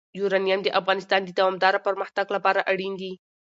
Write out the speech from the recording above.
یورانیم د افغانستان د دوامداره پرمختګ لپاره اړین دي.